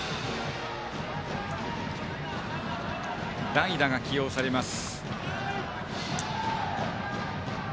代打が起用されます。